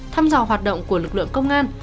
thăm dò hoạt động của lực lượng công an